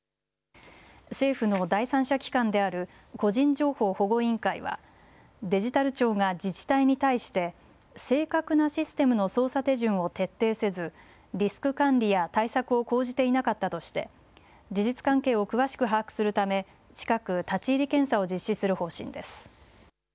政府の第三者機関である個人情報保護委員会はデジタル庁が自治体に対して正確なシステムの操作手順を徹底せずリスク管理や対策を講じていなかったとして事実関係を詳しく把握するため近く、立ち入り検査を実施する方針です。